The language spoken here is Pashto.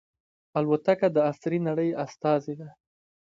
الوتکه د عصري نړۍ استازې ده.